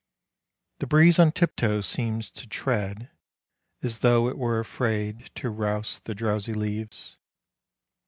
The breeze on tiptoe seems to tread, as though It were afraid to rouse the drowsy leaves.